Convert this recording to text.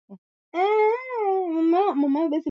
Ameniulizia bei jana